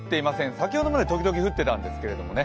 先ほどまで時々降っていたんですけどね。